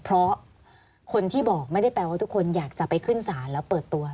เพราะคนที่บอกไม่ได้แปลว่าทุกคนอยากจะไปขึ้นศาลแล้วเปิดตัว